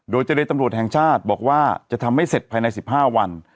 โดยเจรตำรวจแห่งชาติบอกว่าจะทำให้เสร็จภายใน๑๕วัน